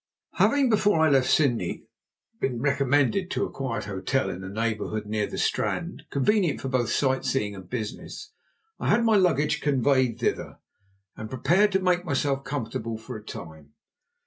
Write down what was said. Having before I left Sydney been recommended to a quiet hotel in a neighbourhood near the Strand, convenient both for sight seeing and business, I had my luggage conveyed thither, and prepared to make myself comfortable for a time.